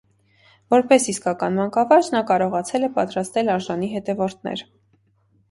Որպես իսկական մանկավարժ՝ նա կարողացել է պատրաստել արժանի հետևորդներ։